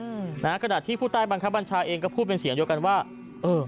อืมนะขนาดที่ผู้ใต้บรรคบัญชาเองก็พูดเป็นเสียงโดยกันว่าเออ